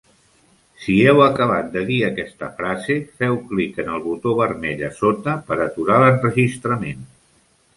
Si heu acabat de dir aquesta frase, feu clic en el botó vermell a sota per aturar l'enregistrament.